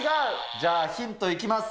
じゃあ、ヒントいきます。